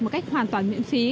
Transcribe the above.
một cách hoàn toàn miễn phí